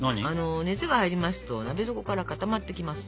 熱が入りますと鍋底からかたまってきます。